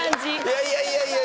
いやいやいやいや。